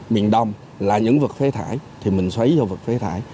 miền đông là những vật phế thải thì mình xoáy cho vật phế thải